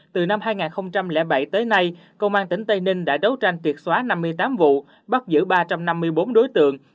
từ năm hai nghìn bảy tới nay công an tỉnh tây ninh đã đấu tranh tiệt xóa năm mươi tám vụ bắt giữ ba trăm năm mươi bốn đối tượng